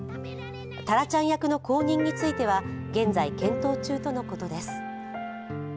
タラちゃん役の後任については現在検討中とのことです。